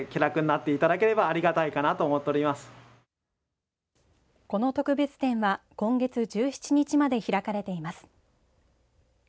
この特別展は今月１７日まで開かれています。